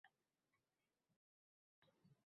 Mamlakat boʻylab suyultirilgan gaz sotildi.